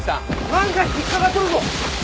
なんか引っかかっとるぞ。